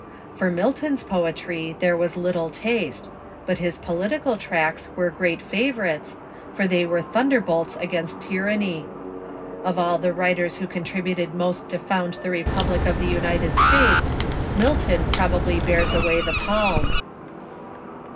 For Milton's poetry there was little taste ; but his political tracts were great favorites, for they were thunderbolts against tyranny. Of all the writers Avho contributed most to found the republic of the United States, Milton probably bears away the palm.